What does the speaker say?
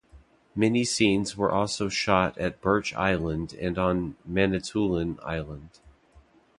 Many scenes were also shot at Birch Island and on Manitoulin Island.